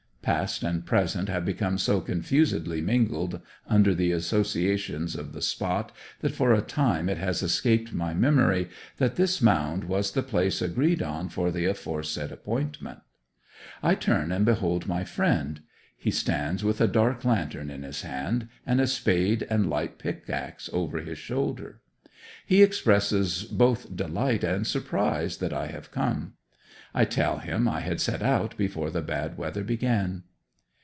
Past and present have become so confusedly mingled under the associations of the spot that for a time it has escaped my memory that this mound was the place agreed on for the aforesaid appointment. I turn and behold my friend. He stands with a dark lantern in his hand and a spade and light pickaxe over his shoulder. He expresses both delight and surprise that I have come. I tell him I had set out before the bad weather began.